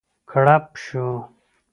کړپ شو.